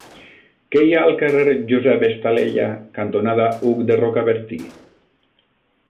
Què hi ha al carrer Josep Estalella cantonada Hug de Rocabertí?